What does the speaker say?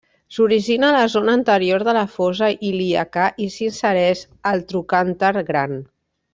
S'origina a la zona anterior de la fosa ilíaca i s'insereix al trocànter gran.